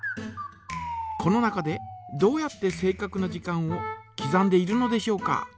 この中でどうやって正かくな時間をきざんでいるのでしょうか。